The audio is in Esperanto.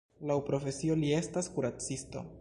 Laŭ profesio li estas kuracisto.